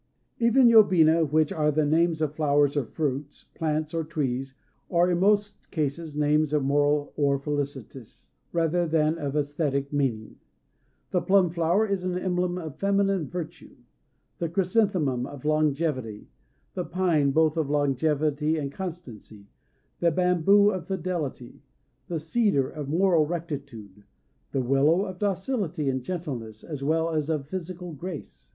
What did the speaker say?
Even yobina which are the names of flowers or fruits, plants or trees, are in most cases names of moral or felicitous, rather than of æsthetic meaning. The plumflower is an emblem of feminine virtue; the chrysanthemum, of longevity; the pine, both of longevity and constancy; the bamboo, of fidelity; the cedar, of moral rectitude; the willow, of docility and gentleness, as well as of physical grace.